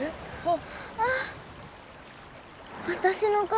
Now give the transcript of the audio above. あっ。